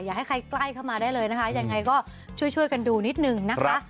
อยากให้ใครใกล้เข้ามาได้เลยนะคะยังไงก็ช่วยช่วยกันดูนิดนึงนะคะ